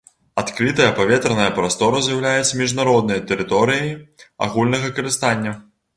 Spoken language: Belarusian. Адкрытая паветраная прастора з'яўляецца міжнароднай тэрыторыяй агульнага карыстання.